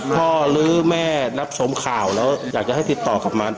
หรือแม่นับชมข่าวแล้วอยากจะให้ติดต่อกับมัน